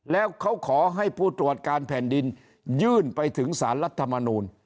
แล้วเขาขอให้ผู้ตรวจการแผ่นดินยื่นไปถึงสารรัฐมนูล